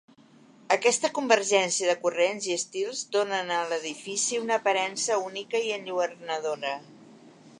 Aquesta convergència de corrents i estils donen a l'edifici una aparença única i enlluernadora.